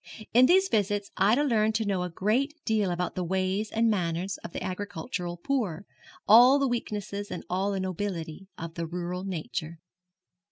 In these visits Ida learned to know a great deal about the ways and manners of the agricultural poor, all the weakness and all the nobility of the rural nature.